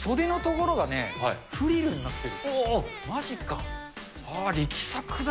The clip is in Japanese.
わっ、すげぇ、袖のところがね、フリルになってる。